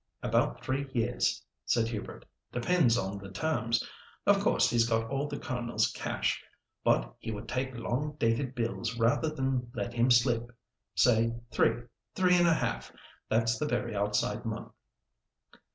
"About three years," said Hubert; "depends on the terms. Of course he's got all the Colonel's cash, but he would take long dated bills rather than let him slip. Say three—three and a half—that's the very outside month."